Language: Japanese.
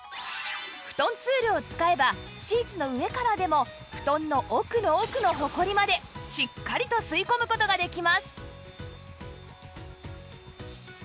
フトンツールを使えばシーツの上からでも布団の奥の奥のホコリまでしっかりと吸い込む事ができます